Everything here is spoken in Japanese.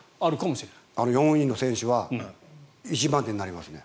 ４位の選手は一番手になりますね。